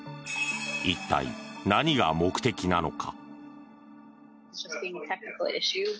一体、何が目的なのか。